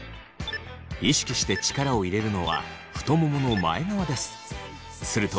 意識して力を入れるのは太ももの前側です。